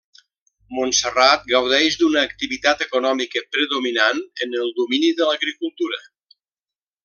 Montserrat gaudeix d'una activitat econòmica predominant en el domini de l'agricultura.